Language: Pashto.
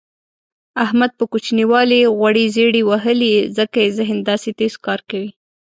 احمد په کوچینوالي غوړې زېړې وهلي ځکه یې ذهن داسې تېز کار کوي.